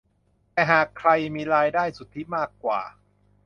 แต่หากใครมีรายได้สุทธิมากกว่า